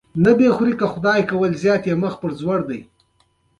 همدا شان په دې دره کې د وردگو د قوم تر څنگ